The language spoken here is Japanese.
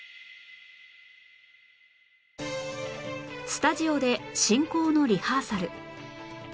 スタジオで進行のリハーサル